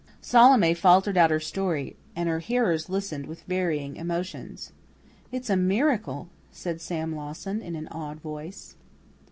Salome faltered out her story, and her hearers listened with varying emotions. "It's a miracle," said Sam Lawson in an awed voice.